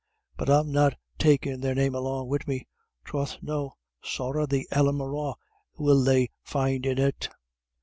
But I'm not takin' their name along wid me; troth no; sorra the Ellen Morrough 'ill they find in it."